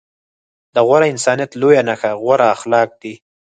د غوره انسانيت لويه نښه غوره اخلاق دي.